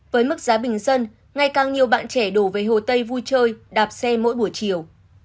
với mức giá bình dân ngày càng nhiều bạn trẻ đổ về hồ tây vui chơi đạp xe mỗi buổi chiều